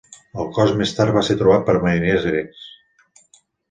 El cos més tard va ser trobat per mariners grecs.